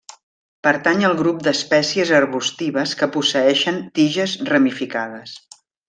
Pertany al grup d'espècies arbustives que posseeixen tiges ramificades.